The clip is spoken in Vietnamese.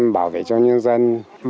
bảo vệ cho nhân dân